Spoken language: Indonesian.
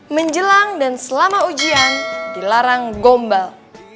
menjelang dan selama ujian dilarang gombal